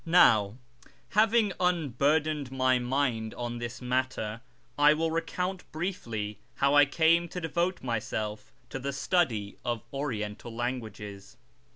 Now, having unburdened my mind on this matter, I will recount briefly how I came to devote myself to the study of Oriental languages.